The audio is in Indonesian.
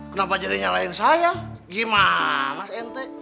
kenapa jadi nyalain saya gimana mas ente